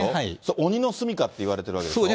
鬼の住みかっていわれてるわけでしょ。